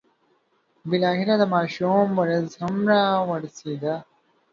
بالاخره د ماشوم ورځ هم را ورسېده.